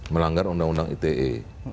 melanggar undang undang ite